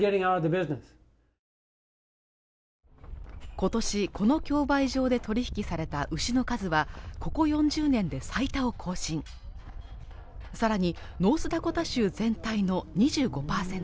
今年この競売場で取り引きされた牛の数はここ４０年で最多を更新さらにノースダコタ州全体の２５％